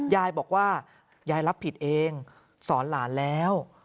ยายบอกว่ายายรับผิดเองสอนหลานแล้ว